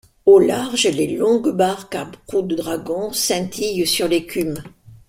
Au large, les longues barques à proue de dragons scintillent sur l'écume.